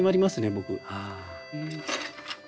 僕。